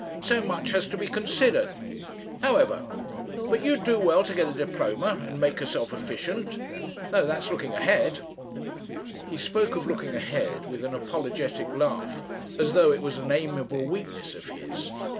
So much has to be considered. However ... But you'd do well to get a diploma and make yourself efficient. Though that's looking ahead." He spoke of looking ahead with an apologetic laugh as though it was an amiable weakness of his.